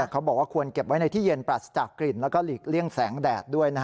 เขาบอกว่าควรเก็บไว้ในที่เย็นปรัสจากกลิ่นแล้วก็หลีกเลี่ยงแสงแดดด้วย